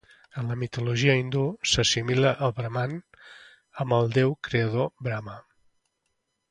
En la mitologia hindú, s'assimila el braman amb el déu creador Brama.